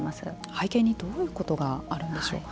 背景にどういうことがあるんでしょうか。